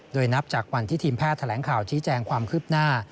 โดยนับจากวันที่ทีมแพทย์แถลงข่าวชี้แจงความคืบหน้า